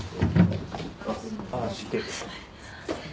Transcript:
すみません。